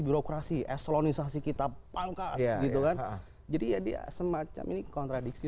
birokrasi ezzanul inshasit kita pangkas ya gitu kan jadi yadiak semacam ini kontradiksi